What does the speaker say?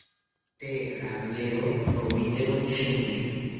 Tee rawiero rowitero shinki